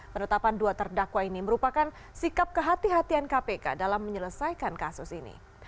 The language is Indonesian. penetapan dua terdakwa ini merupakan sikap kehatian kpk dalam menyelesaikan kasus ini